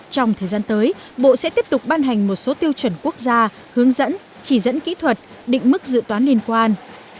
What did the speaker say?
trong thời gian tới bộ sẽ tiếp tục ban hành một số tiêu chuẩn quốc gia hướng dẫn chỉ dẫn kỹ thuật định mức dự toán liên quan